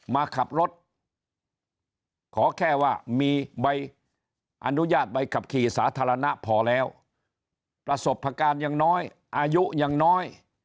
มาขับรถขอแค่ว่ามีใบอนุญาตใบขับขี่สาธารณะพอแล้วประสบการณ์ยังน้อยอายุยังน้อย